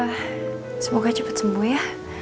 semoga cepat sembuh ya